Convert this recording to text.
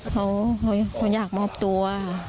เขาอยากมอบตัว